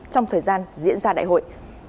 trong thời gian diễn ra đại hội